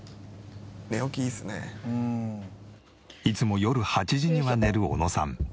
いつも夜８時には寝る小野さん。